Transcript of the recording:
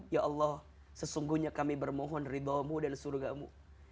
ya allah sesungguhnya kami bermohon ridhumu dan surugamu